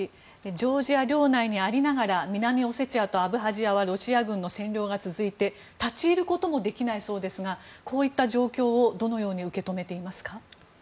ジョージア領内にありながら南オセチアとアブハジアはロシア軍の占領が続いて立ち入ることもできないそうですがこういった状況をどのように受け止めていますか？